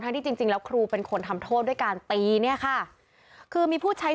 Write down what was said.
ที่จริงจริงแล้วครูเป็นคนทำโทษด้วยการตีเนี่ยค่ะคือมีผู้ใช้